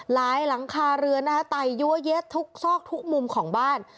หลังคาเรือนนะคะไตยั้วเย็ดทุกซอกทุกมุมของบ้าน